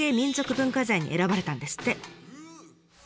文化財に選ばれたんですって。